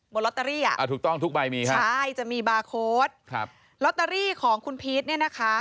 ลอตเตอรี่อ่ะอ่าถูกต้องทุกใบมีค่ะใช่จะมีบาร์โค้ดครับลอตเตอรี่ของคุณพีชเนี่ยนะคะ